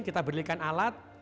kita belikan alat